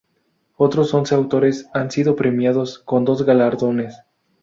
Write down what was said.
Otros once autores han sido premiados con dos galardones.